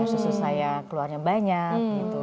susu saya keluarnya banyak gitu